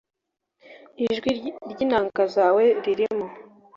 ijwi ry inanga zawe ririmo